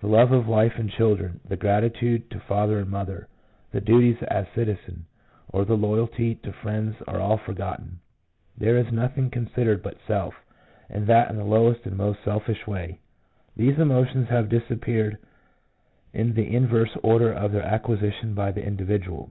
The love of wife and children, the gratitude to father and mother, the duties as citizen, or the loyalty to friends are all forgotten ; there is nothing con sidered but self, and that in the lowest and most selfish way. These emotions have disappeared in the inverse order of their acquisition by the individual.